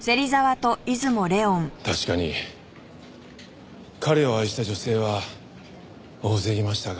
確かに彼を愛した女性は大勢いましたが。